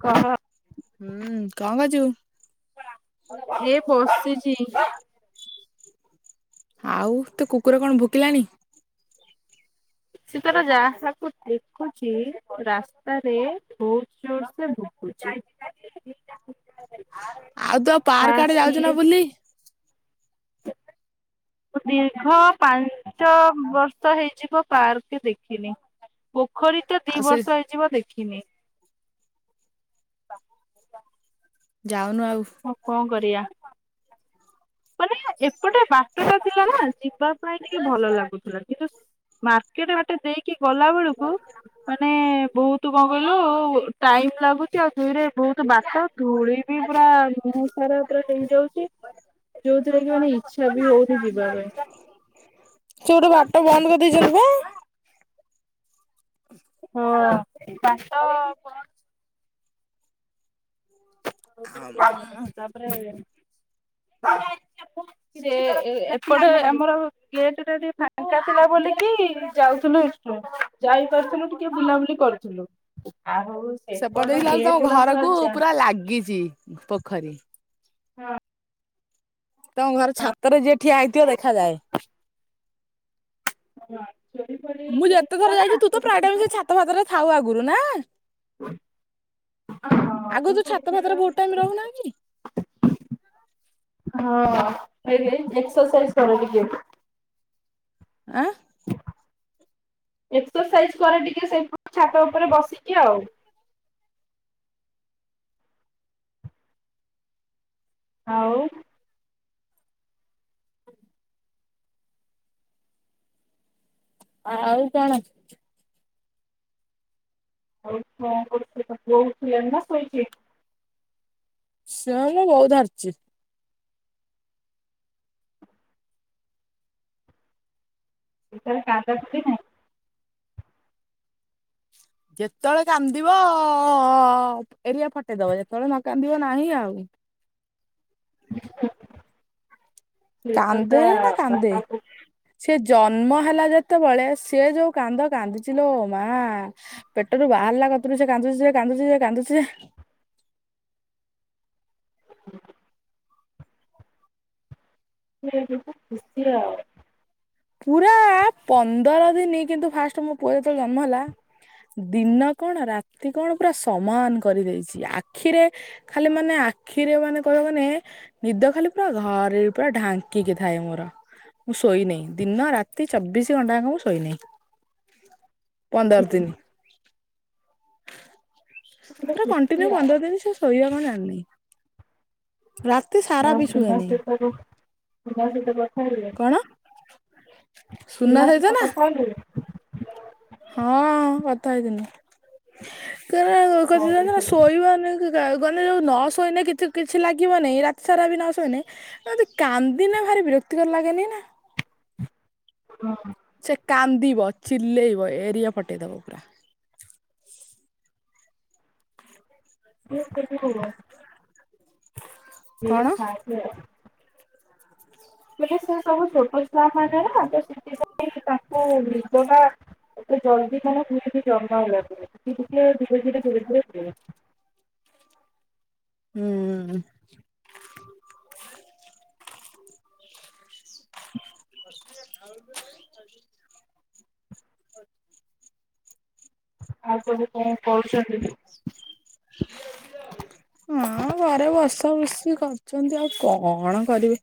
କହ ହୁଁ କଣ କରଛୁ? ଏ ବସିଛି ଆଉ ତୁ କୁକୁର କଣ ଭୁକିଲାଣି? ସେ ଟାର ଯାହାକୁ ଦେଖୁଛି ରାସ୍ତାରେ ଭୋତ ଜୋର ସେ ଭୁ କୁଚି। ଆଉ ତୁ ତା ପାର୍କ ଆଡେ ଯାଉଛୁ ସିଏ ନା ବୁଲି? ଦୀର୍ଘ ପାଞ୍ଚ ବର୍ଷ ହେଇଯିବ ପାର୍କ ଦେଖିନି। ପୋଖରୀ ଟ ଆଉ ଦି ସେ ବର୍ଷ ହେଇଯିବ ଦେଖିନି। ବାଆ [inaudible] ଯାଉନୁ ଆଉ ଆଉ କଣ କରିବା? ମାନେ ଏପଟେ ବାଟଟା ଥିଲା ନା ଯିବା ପାଇଁ ଟିକେ ଭଲ ଲାଗୁଥିଲା କିନ୍ତୁ ମାର୍କେଟ ବାଟେ ଦେଇକି ଗଲା ବେଳକୁ ମାନେ ବହୁତ କଣ କହିଲୁ ଟାଇମ ଲାଗୁଛି ଆଉ ଦୁଇରେ ବହୁତ ବାଟ। ଧୂଳି ବି ପୁରା ମୁହସାରା ପୁରା ହେଇଯାଉଛି। ଯୋଉଥିଥିଲା କି ମାନେ ଇଚ୍ଛା ବି ହଉଠି ଯିବା ପାଇଁ। ଟ ବନ୍ଦ କରିଦେଇଚନ୍ତି ବା। ହଁ। ତାପରେ ଏ ଏ ଏପଟେ ଆମର ଗେଟଟା ଟିକେ ଫାଙ୍କା ଥିଲା ବୋଲିକି ଯାଉଥିଲୁ ଇଚଟୁ ଯାଇପାରୁଥିଲୁ ଟିକେ ବୁଲାବୁଲି କରୁ ଥୁଲୁ ଆଉ ସ ସେବ ଦେଇ [unintelligible] ତୋ ଘରକୁ ପୁରା ଲାଗିଚି ପୋଖରୀ। ହଁ ତମ ଘର ଛାତରେ ଯିଏ ଠିଆ ହେଇଥିବ ଦେଖାଯାଏ। [inaudible] ଚୋରି ଫୋରି ମୁଁ ଯେତେ ହେଇଯାଇଥିଲା ଥର ନା ଯାଇଚି ତୁ ତ ପ୍ରାୟ ଟାଇମ ସେ ସେଥିପାଇଁ ଛାତ ଫାତରେ ଥାଉ ଆଗରୁ ନା? ହଁ ମୁଁ ଆଗରୁ ତୁ ଛାତ ଫାତରେ ସବୁଥିରେ ବହୁତ ଟାଇମ ରହୁନା କି? [unintelligible] ହଁ ଏଇ ଏଇ ଏକ୍ସସାଇଜ କରୁ ଟିକେ। ଆ? ଏକ୍ସରସାଇଜ କରେ ଟିକେ ସେପ ଛାତ ଉପରେ ବସିକି ଆଉ। ଆଉ? ଆଉ କଣ? ଆଉ କଁ କରୁଚୁ ତୋ ପୁଅ ଉଠିଲାଣି ନା ଶୋଇଚି? ସେଇୟା ବୋଉ ଧରିଚି। ଏଟାର କାନ୍ଦା କୁନ୍ଦି ନାଇ? ଯେତେବେଳେ କାନ୍ଦିବ ଅ ଅ ଅ ଏରିଆ ଫଟେଇଦବ ଯେତେବେଳେ ନ କାନ୍ଦିବ ନାହିଁ ଆଉ। ସେ ତ କାନ୍ଦେ ତା ନିନା କାନ୍ଦେ? ବାପା ସେ ଜନ୍ମ ହେଲା ଯେତେବେଳେ ସେ ଯୋଉ କାନ୍ଦ କାନ୍ଦିଚି ଲୋମା ପେଟରୁ ବାହାରିଲା କତରୁ ସେ କାନ୍ଦୁଚି ଯେ କାନ୍ଦୁଚି କାନ୍ଦୁଚି ଯେ ସେ ପୁରା ଖୁସି ଆଉ। ପୁରା ପନ୍ଦର ଦିନ କିନ୍ତୁ ଫାଷ୍ଟ ମୋ ପୁଅ ଯେତେବେଳେ ଜନ୍ମ ହେଲା ଦିନ କଣ ରାତି କଣ ପୁରା ସମାନ କରିଦେଇଚି। ଆଖିରେ ଖାଲି ମାନେ ଆଖିରେ ମାନେ କହିବ ମାନେ ନିଦ ଖାଲି ପୁରା ଘରେ ପୁରା ଢାଙ୍କିକି ଥାଏ ମୋର ମୁଁ ଶୋଇନେଇ। ଦିନ ରାତି ଚବିଶି ଘଣ୍ଟାଆଙ୍କ ମୁ ଶୋଇନେଇ ପନ୍ଦର ଦିନି। ଗୋଟେ ପୁରା କଣ୍ଟିନ୍ୟୁ ଖୁସି ଆଉ ପନ୍ଦର ଦିନ ସେ ଶୋଇବା କଁ ଜାନନି। ଆଉ ତିଫ ସହିତ ଯୋଉ ତ ସହିତ କଥା ହେଲେ? କଣ ସୁନା ପିନା ସହିତ ନା କଥାହେଲୁ? ହଁ କଥା ହେଇଥିନି। କେରେ [unintelligible] ନା ଶୋଇବା ନେଇକି ଜାଉ ଗନେ ଯୋଉ ନ ଶୋଇନେ କିଥି କିଛି ଲାଗିବନେଇ ରାତି ସାରା ବିନା ଶୋଇନେ ଏମିତି କାନ୍ଦିନେ ଭାରି ବିରକ୍ତିକର ଲାଗେନି ନା? ହଁ। ସେ କାନ୍ଦିବ ଚିଲେଇବ ଏରିଆ ଫଟେଇଦବ ପୁରା। [inaudible] ସିଏ କଣ ଖା ପୁଅ? ବୋଲେ ସେ ସବୁ ଛୋଟ ଛୁଆ ମାନନା ତ ସେଥିପାଇଁ ତାଙ୍କୁ ନିଦଟା ଏ ଜଲ୍ଦି କଣ ପିଲାଟି ଜନ୍ମ ହେଲା [unintelligible] ଧୀରେ ଧୀରେ [unintelligible] ହୁଁ। [inaudible] [inaudible] ଆଉସବୁ କଣ କରୁଛନ୍ତି? [inaudible] ହଁ ଘରେ ବସା ବୁସି କରିଚନ୍ତି ଆଉ କଣ କରିବେ?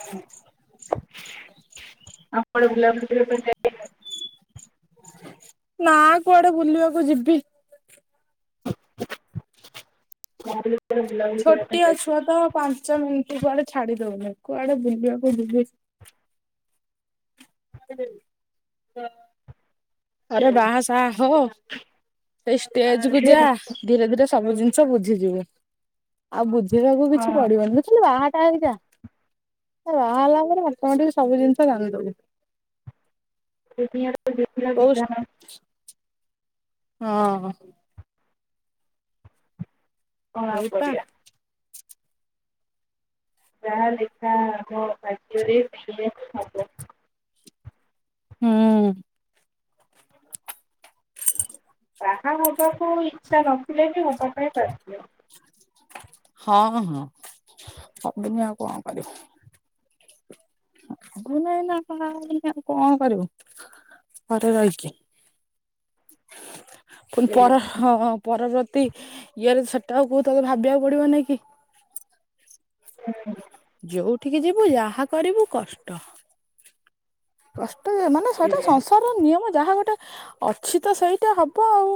ହଁ ଆପଣ [inaudible] ନା କୁଆଡେ ବୁଲିବାକୁ ଯିବି? [unintelligible] କରିବା ପାଇଁ ଛୋଟିଆ ଛୁଆ ଯାଇଛନ୍ତି? ତ ପାଞ୍ଚ ମିନିଟ କୁଆଡେ ଛାଡି ଦଉନି କୁଆଡେ ବୁଲିବାକୁ ଯିବି। [inaudible] ଆରେ ବାହା ସାହା ହୋ ସେଇ ଷ୍ଟେଜକୁ ଯା ଧୀରେ ଧୀରେ ସବୁ ଜିନିଷ ବୁଝିଯିବୁ। ଆଉ ବୁଝେଇବାକୁ ହଁ କିଛି ପଡିବନି ବୁଝିଲୁ ବାହାଟା ହେଇ କି ଯା। ବାହା ହେଲା ପରେ ଅଟୋମେଟିକ ସବୁ ଜିନିଷ ଭାବିଦବୁ। ଦୁନିଆରେ ତ ବିଧି ର କୋଉ ବିଧାନ। ହଁ। କଣ ଆଉ ସେଇପା। କରିବା? ଯାହା ଲେଖା ମୋ ଭାଗ୍ୟରେ ସେଇଆ ହିଁ ହବ। ହୁଁ। ବାହା ହବାକୁ ଇଚ୍ଛା ନଥିଲେ ବି ହବା ପାଇଁ ବାଧ୍ୟ। ହଁ ହଁ ହବୁନି ଆଉ କଣ କରିବୁ। ହବୁନି ଏଇନା କଣ ଆଉ ଏଇନା କଣ କରିବୁ ଘରେ ରହିକି। [inaudible] ପୁଣି ସେଇଆ ପର ହଁ ପରବର୍ତ୍ତୀ ଇଏରେ, ସେଟା କୁ ତତେ ଭାବିବାକୁ ପଡିବ ନାଇଁ କି। ହୁଁ। ଯୋଉଠିକି ଯିବୁ ଯାହା କରିବୁ କଷ୍ଟ। କଷ୍ଟ ମାନେ ସେଇଟା ସେଇଆ ସଂଶ୍ ତାର ନିୟମ ଯାହା ଗୋଟେ ଅଛି ତ ସେଇଟା ହେବ ଆଉ।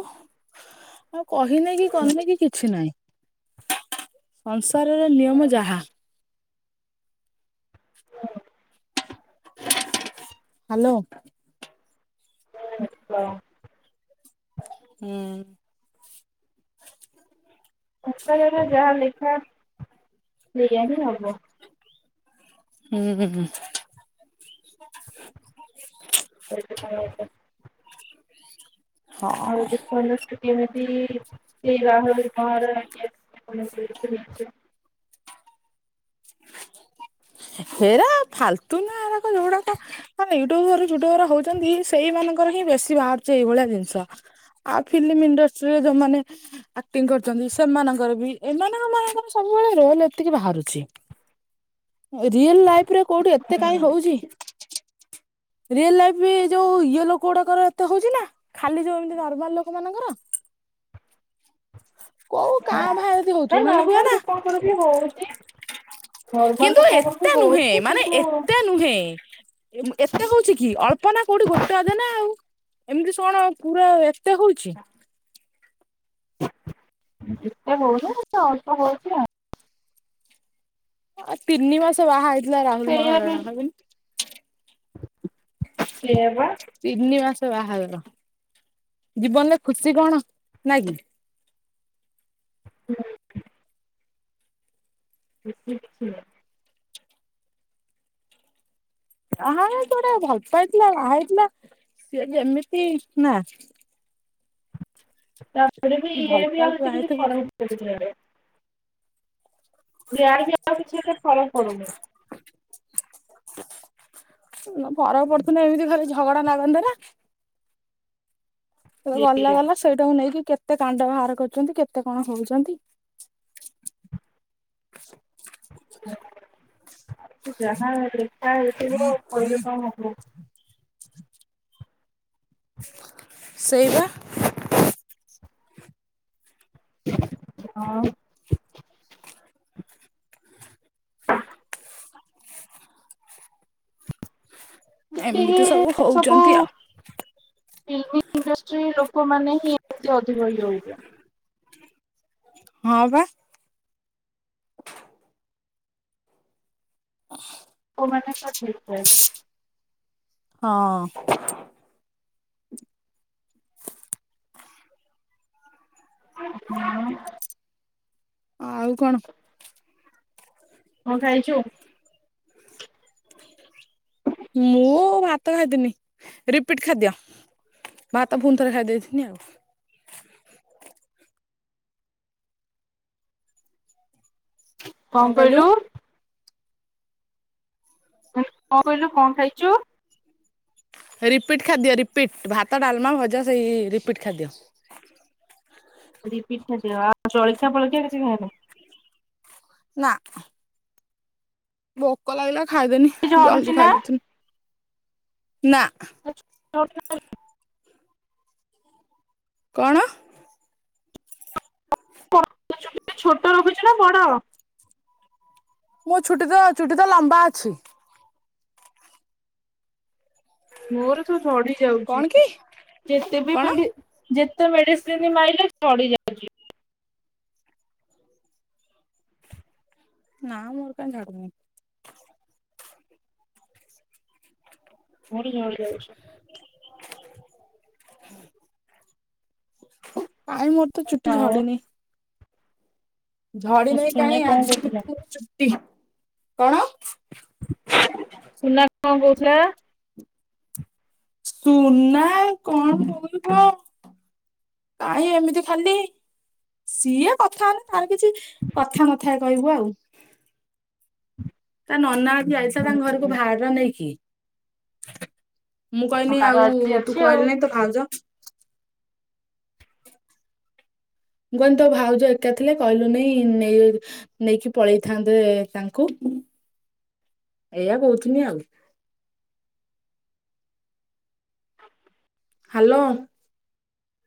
ଆଉ କହିନେ ହିଁ କନେ କି କିଛି ନାହିଁ ସଂସାରର ନିୟମ ଯାହା। ହ୍ୟାଲୋ। ହୁଁ କଅ। ହୁଁ। କପାଳରେ ଯାହା ଲେଖା ଅଛି ସେଇଆ ହିଁ ହବ। ହୁଁ। [unintelligible] ଆଉ ହଁ ଗୋଟେ ପଲ୍ ଖୁସି ବାସୀ କି ବାହା ହୋଊ। [unintelligible] [inaudible] ହେରା ଫାଲତୁ ନା ହେରାକ ଯୋଉଡାକ। ମାନେ ୟୁଟୁବୁଟବର ଭିଡିଓ ଉରା ହୋଉଛନ୍ତି ସେଇମାନାନଙ୍କର ହିଁ ବେଶୀ ବାହାରୁଛି ଏଇଭଳିଆ ଜିନିଷ। ଆଉ ଫିଲ୍ମ ଇଣ୍ଡଷ୍ଟ୍ରି ରେ ଯୋଉମାନେ ଆକ୍ଟିଂ କରୁଛନ୍ତି, ସେମାନଙ୍କର ବି ଏମାନଙ୍କ ଏମାନଙ୍କର ସବୁବେଳେ ରୋଲ ଏତିକି ବାହାରୁଛି। ରିଅଲ ଲାଇଫରେ କୋଉଠି ଏତେ କାହିଁ ହଉଛି। ରିଏଲ ଲାଇଫ୍ ଯୋଉ ଇଏ ଲୋକ ଗୁଡାକର ଏତେ ହଉଛି ନା। ଖାଲି ଯୋଉ ଏମିତି ନର୍ମାଲ ଲୋକ ମାନଙ୍କର। କୋଉ କାଁ ନା ଭାଁ ଯଦି ହଉଥିବ ନହେଲେ ହୁଏ ନର୍ମାଲ ନା। ଲୋକଙ୍କର ବି ହଉଛି ନର୍ମାଲ କିନ୍ତୁ ଲୋକଙ୍କର ଏତେ ବି ନୁହେଁ ହଉଛି ମାନେ କିନ୍ତୁ ଏତେ ନୁହେଁ। ଏତେ ହହୁଛି କି, ଅଳ୍ପ ନା କୋଉଠି ଗୋଟେ ଅଧେ ନା ଆଉ। ଏମିତି ସୋଣ ପୁରା ଏତେ ହଉଛି। ଏତେ ହୋଉନି ବଟ ଅଳ୍ପ ହଉଛି ଆଉ। ଆ ତିନି ମାସ ବାହା ହେଇଥିଲା ରାହୁଲ ସେଇଆ ବି ମହାରାଣା ଭାବନି। ସେଇଆ ବା। ତିନି ମାସ ବାହାଘର ଜୀବନରେ ଖୁସି କଣ ନା କି। ହୁଁ। ଖୁସି କିଛି ନାହିଁ। ଆହା ହେ କୁଆଡେ ଭଲ ପାଇଥିଲା ବାହା ହେଇଥିଲା ସିଏ ଯେମିତି ନା। ତା ପରେ ବି ଏ ଭଲ ବି ଆର ପାଇକି ହେତେ ବାହା କିଛି ହେଇଥିବୁ। ଫରକ୍ ପଡିଲାନି। ସେ ଆଇଲେ ଆଉ କିଛି ଏତେ ଫରକ୍ ପଡୁନି। ଫରକ୍ ପଡୁଥିଲେ ଏମିତି ଖାଲି ଝଗଡା ଲାଗନ୍ତେ ନା। କିଏ ଗଲା ସେଇଆ ଗଲା ସେଇଟାକୁ ନେଇକି କେତେ କାଣ୍ଡ ବାହାର କରୁଛନ୍ତି, କେତେ କଣ ହଉଛନ୍ତି? ସେ ଯାହା ଲେଖା ହେଇଥିବ କହିଲେ କଣ ହବ? ସେଇବା। ହଁ। ଏମିତି ସବୁ ହଉଛନ୍ତି ଆଉ। ଫିଲ୍ମ ଇଣ୍ଡଷ୍ଟ୍ରି ଲୋକମାନେ ହିଁ ଏମତି ଅଧିକ ଇଏ ହଉଛନ୍ତି। ହଁ ବା। ଅ [inaudible] ହଉ ମାନେ କଣ ଡେସକ୍ରାଇବ? ହଁ। ହୁଁ। ଆଉ କଣ? କଣ ଖାଇଛୁ? ମୁଁ ଭାତ ଖାଇଥିଲି ରିପିଟ୍ ଖାଦ୍ୟ। ଭାତ ଫୁଣିଥରେ ଖାଇ ଦେଇେଥିନି ଆଉ। କଣ କହିଲୁ? [inaudible] କଣ କହିଲୁ କଣ ଖାଇଛୁ? ରିପିଟ୍ ଖାଦ୍ୟ ରିପିଟ୍ ଭାତ, ଡାଲମା, ଭଜା ସେଇ ରିପିଟ୍ ଖାଦ୍ୟ। ରିପିଟ୍ ଖାଦ୍ୟ ଆଉ ଚଳଖିଆ ଫଳଖିଆ କିଛି ଖାଇନୁ। ନାଁ। ଭୋକ ଲାଗିଲା ଖାଇଦେଲି ଝଡୁଛି ଜଲଦି ନା? ଖାଇଦେଇଥିଲି ନା। [unintelligible] କଣ? ଚୁଟି ଛୋଟ ରଖିଛୁ ନା ବଡ଼? ମୋ ଛୁଟି ତ ଚୁଟି ତ ଲମ୍ବା ଅଛି। ମୋର ତ ଝଡି ଯାଉଛି କଣ କି ଯେତେ ବି କଣ ମେଡି ଯେତେ ମେଡିସିନି ମାଇଲେ ଝଡି ଯାଉଛି। ନାଁ ମୋର କାଇଁ ଝଡୁନି? ମୋରି ଝଡି ଯାଉଛି। ହୁଁ କାଇଁ ମୋର ତ ଚୁଟି ଆଉ ଝଡିନି। ଝଡି ନେଇ ସୁନା କାହିଁ କଣ ଆଜି କହୁଥିଲା? [inaudible] ଚୁଟି କଣ? ସୁନା କଣ କହୁଥିଲା? ସୁନା କଣ କହୁଛୁ କହ? କାହିଁ ଏମିତି ଖାଲି ସିଏ କଥା ହେଲେ ତାର କିଛି କଥା ନଥା କହିବୁ ଆଉ। ତା ନନା ଆଜି ଯାଇଥିଲା ତାଙ୍କ ଘରକୁ ଭାର ନେଇକି। ମୁଁ କହିଲି ପାଗ ଆଉ ଆଜି ତୁ ଅଛି ଆଉ। କହିଲୁ ନାଇଁ ତୋ ଭାଉଜ। ମୁଁ କହିଲି ତୋ ଭାଉଜ ଏକା ଥିଲେ କହିଲୁ ନାଇଁ ନେ ନେଇକି ପଳେଇଥାନ୍ତେ ତାଙ୍କୁ। ଏଇଆ କହୁଥିଲି ଆଉ। ହ୍ୟାଲୋ।